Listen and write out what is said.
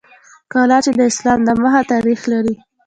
کلا چې د اسلام د مخه تاریخ لري